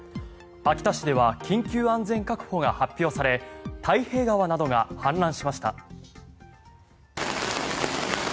秋田市では緊急安全確保が発表され太平川などが氾濫しました。